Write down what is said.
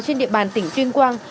trên địa bàn tỉnh tuyên quang